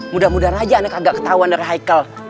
mudah mudahan aja ani kagak ketahuan dari haikal